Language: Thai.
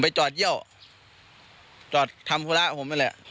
ผมไปจอดเยี่ยวจอดทำภูระผมนี่แหละ